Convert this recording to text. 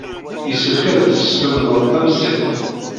Yessefk ad as-teslemded tamsirt.